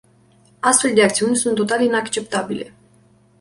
Astfel de acțiuni sunt total inacceptabile.